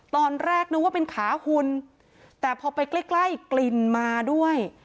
ตอนแรกนึกว่าเป็นขาหุ่นแต่พอไปใกล้ใกล้กลิ่นมาด้วย